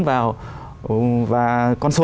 vào và con số